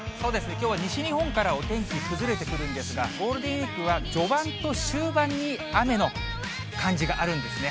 きょうは西日本からお天気崩れてくるんですが、ゴールデンウィークは、序盤と終盤に雨の感じがあるんですね。